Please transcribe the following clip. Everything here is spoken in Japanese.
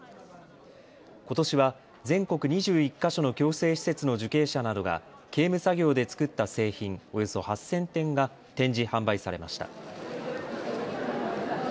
ことしは全国２１か所の矯正施設の受刑者などが刑務作業で作った製品およそ８０００点が展示・販売されました。